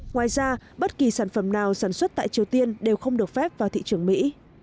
ngoài ra bất kỳ sản phẩm nào sản xuất tại triều tiên đều không được phép vào thị trường mỹ